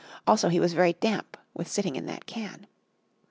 Also he was very damp with sitting in that can.